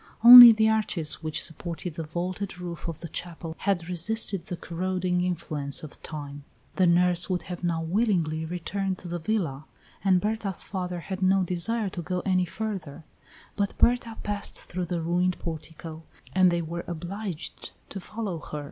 Only the arches which supported the vaulted roof of the chapel had resisted the corroding influence of time. The nurse would have now willingly returned to the villa, and Berta's father had no desire to go any further, but Berta passed through the ruined portico, and they were obliged to follow her.